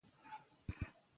يرغل کوي